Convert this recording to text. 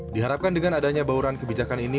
diharapkan dengan adanya bauran kebijakan ini